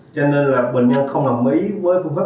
cho nên là bệnh nhân không làm ý với phương pháp mổ